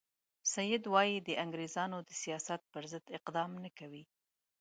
سید وایي د انګریزانو د سیاست پر ضد اقدام نه کوي.